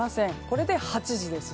これで８時です。